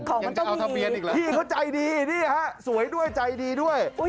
ของมันต้องมียังจะเอาทะเบียนอีกแล้วพี่เขาใจดีนี่ฮะสวยด้วยใจดีด้วย